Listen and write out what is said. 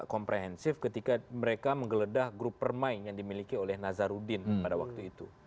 komprehensif ketika mereka menggeledah grup permain yang dimiliki oleh nazarudin pada waktu itu